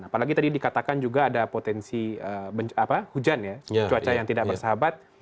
apalagi tadi dikatakan juga ada potensi hujan ya cuaca yang tidak bersahabat